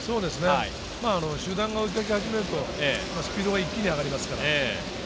集団が追いかけ始めるとスピードは一気に上がりますからね。